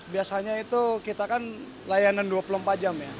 biasanya itu kita kan layanan dua puluh empat jam ya